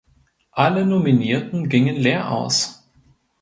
Alle Nominierten gingen leer aus.